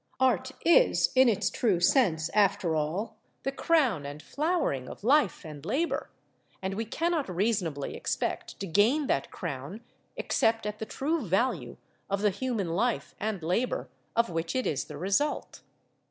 Art is, in its true sense, after all, the crown and flowering of life and labour, and we cannot reasonably expect to gain that crown except at the true value of the human life and labour of which it is the result.